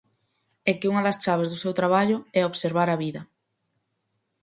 E que unha das chaves do seu traballo é "observar a vida".